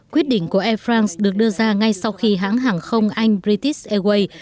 quyết định của air france được đưa ra ngay sau khi hãng hàng không anh britis airways